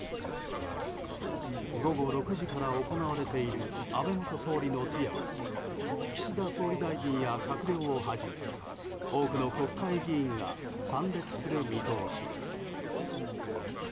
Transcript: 午後６時から行われている安倍元総理の通夜は岸田総理大臣や閣僚をはじめ多くの国会議員が参列する見通しです。